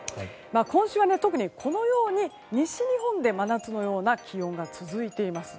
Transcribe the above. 今週はこのように西日本で真夏のような気温が続いています。